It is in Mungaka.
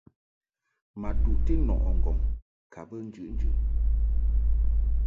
Ma duʼti nɔʼɨ ŋgɔŋ ka bə njuʼnjuʼ.